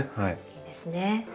いいですね。